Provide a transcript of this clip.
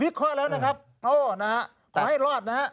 เคราะห์แล้วนะครับโอ้นะฮะขอให้รอดนะฮะ